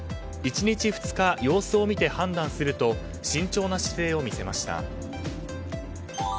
１日２日、様子を見て判断すると慎重な姿勢を見せました。